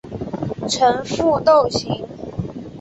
呈覆斗形。